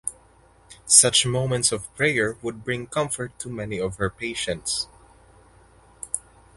Such moments of prayer would bring comfort to many of her patients.